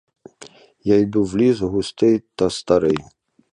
Я йду в ліс, густий та старий.